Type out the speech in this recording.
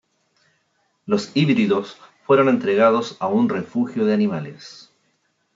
Los híbridos fueron entregados a un refugio de animales.